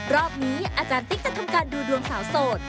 รอบนี้อาจารย์ติ๊กจะทำการดูดวงสาวโสด